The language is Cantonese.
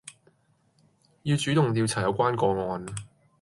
要主動調查有關個案